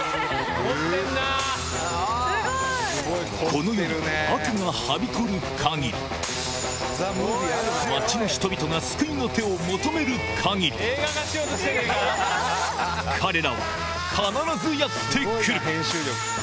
この世に悪がはびこる限り街の人々が救いの手を求める限り彼らは必ずやって来る！